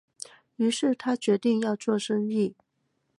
於是他决定要做生意